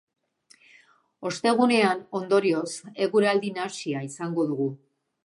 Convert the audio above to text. Ostegunean, ondorioz, eguraldi nahasia izango dugu.